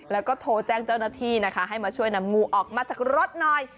แล้วก็โทรแจ้งเจ้าหน้าที่นะคะให้มาช่วยนำงูออกมาจากรถหน่อย